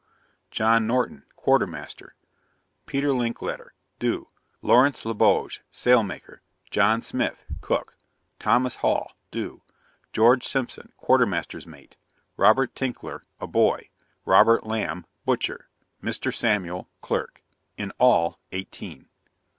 JOHN NORTON } Quarter Master. PETER LENKLETTER } do. LAWRENCE LEBOGUE Sailmaker. JOHN SMITH } Cook. THOMAS HALL } do. GEORGE SIMPSON Quarter Master's Mate. ROBERT TINKLER A boy. ROBERT LAMB Butcher. MR. SAMUEL Clerk. In all eighteen.